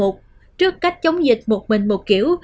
trước cách chống dịch một mình một kiểu